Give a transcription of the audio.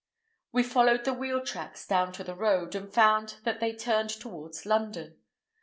We followed the wheel tracks down to the road, and found that they turned towards London.